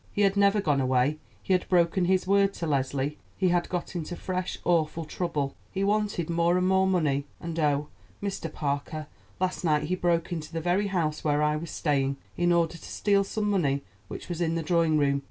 He had never gone away; he had broken his word to Leslie; he had got into fresh, awful trouble. He wanted more and more money; and, oh, Mr. Parker, last night he broke into the very house where I was staying, in order to steal some money which was in the drawing room.